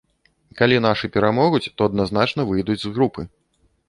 Калі нашы перамогуць, то адназначна выйдуць з групы.